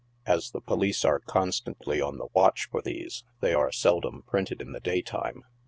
As the police are constantly on the watch for these, they are seldom printed in the daytime.